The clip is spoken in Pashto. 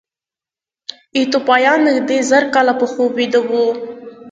ایتوپیایان نږدې زر کاله په خوب ویده وو.